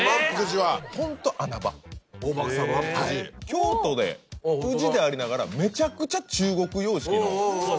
京都で宇治でありながらめちゃくちゃ。